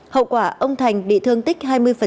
hậu quả ông thành bị thương tích hai mươi